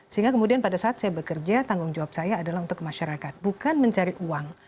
sehingga kemudian pada saat saya bekerja tanggung jawab saya adalah untuk ke masyarakat bukan mencari uang